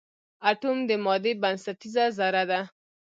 اټوم د مادې بنسټیزه ذره ده.